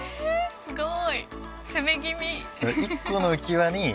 すごい。